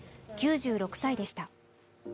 ９６歳でした。